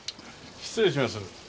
失礼します。